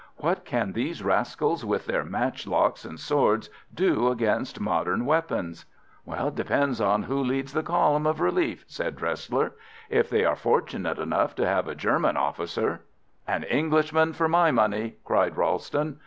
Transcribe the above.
What can these rascals with their matchlocks and swords do against modern weapons?" "It depends on who leads the column of relief," said Dresler. "If they are fortunate enough to have a German officer——" "An Englishman for my money!" cried Ralston.